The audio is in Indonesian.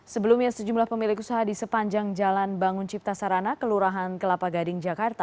sebelumnya sejumlah pemilik usaha di sepanjang jalan bangun cipta sarana kelurahan kelapa gading jakarta